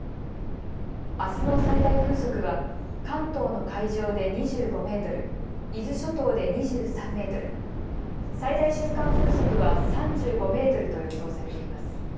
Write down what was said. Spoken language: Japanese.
あすの最大風速は関東の海上で２５メートル、伊豆諸島で２３メートル、最大瞬間風速は３５メートルと予想されています。